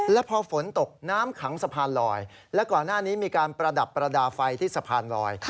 แล้วพอฝนตกน้ำขังสะพานลอยและก่อนหน้านี้มีการประดับประดาษไฟที่สะพานลอย